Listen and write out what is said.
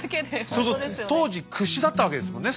その当時屈指だったわけですもんね